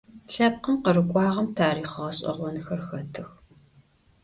Lhepkhım khırık'uağem tarixh ğeş'eğonxer xetıx.